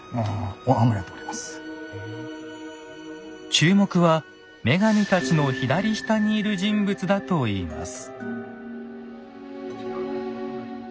注目は女神たちの左下にいる人物だといいます。